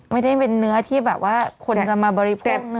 ไม่ได้เป็นเนื้อที่แบบว่าคนจะมาบริโภคเนื้อแบบนี้